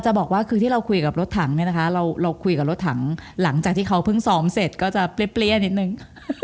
บอกว่าคือที่เราคุยกับรถถังเนี่ยนะคะเราคุยกับรถถังหลังจากที่เขาเพิ่งซ้อมเสร็จก็จะเปรี้ยนิดนึง